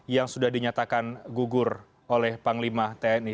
yang sudah dinyatakan gugur oleh panglima tni